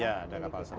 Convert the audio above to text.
ya ada kapal selam